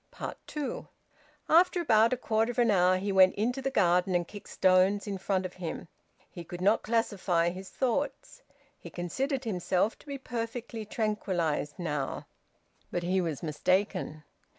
TWO. After about a quarter of an hour he went into the garden, and kicked stones in front of him. He could not classify his thoughts. He considered himself to be perfectly tranquillised now, but he was mistaken.